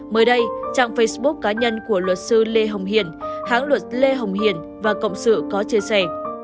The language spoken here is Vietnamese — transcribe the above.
mới đây trang facebook cá nhân của luật sư lê hồng hiền hãng luật lê hồng hiền và cộng sự có chia sẻ